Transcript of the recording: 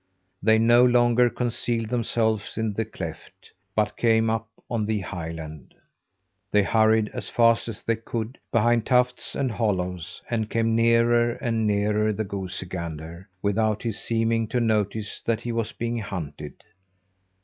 They no longer concealed themselves in the cleft, but came up on the highland. They hurried as fast as they could, behind tufts and hollows, and came nearer and nearer the goosey gander without his seeming to notice that he was being hunted.